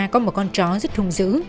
có một con chó rất hung dữ